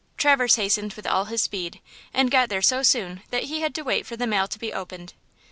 Traverse hastened with all his speed, and got there so soon that he had to wait for the mail to be opened.